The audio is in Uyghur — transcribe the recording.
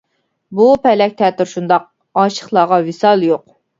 بۇ پەلەك تەتۈر شۇنداق، ئاشىقلارغا ۋىسال يوق.